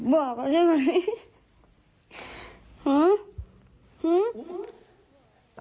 บอกพี่ไหม